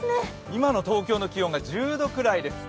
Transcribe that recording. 今の東京の気温が１０度くらいです。